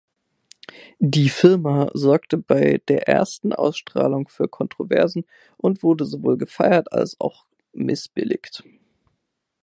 „Die Firma“ sorgte bei der ersten Ausstrahlung für Kontroversen und wurde sowohl gefeiert als auch missbilligt.